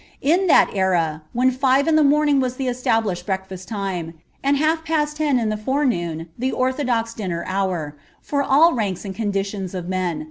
In that era. when five in the morning was th« eu breokfast time, and half past ten in the forenoon the onhodoi hour, for alt ranks and conditions of men.